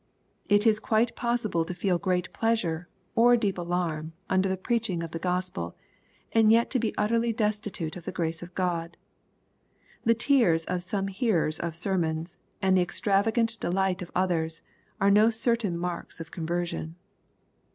It is quite possible to feel great pleasure, or deep alarm, under the preaching of the Gospel, and yet to be utterly destitute of the grace of God. The tears of some hearers of sermons, and the extravagant delight of others, are no certain marks of conversion.